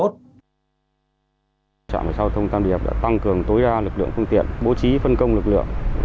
trạm giao thông tam điệp đã tăng cường tối đa lực lượng phương tiện bố trí phân công lực lượng